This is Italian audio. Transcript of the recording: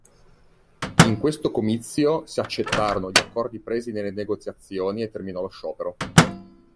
In questo comizio si accettarono gli accordi presi nelle negoziazioni e terminò lo sciopero.